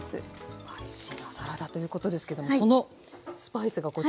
スパイシーなサラダということですけどもそのスパイスがこちらにありますね。